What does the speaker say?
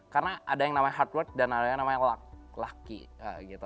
karena ada yang namanya hard work dan ada yang namanya lucky gitu